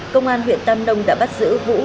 công an huyện tam nông đã bắt giữ vũ